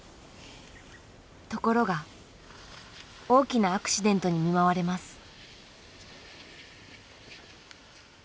ところが大きなアクシデントに見舞われます。